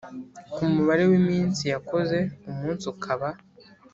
Ku mubare w iminsi yakoze umunsi ukaba